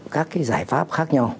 các cái giải pháp khác nhau